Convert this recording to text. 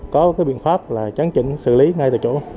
có biện pháp tránh chỉnh xử lý ngay từ chỗ